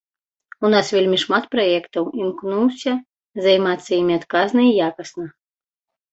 У нас вельмі шмат праектаў, імкнуся займацца імі адказна і якасна.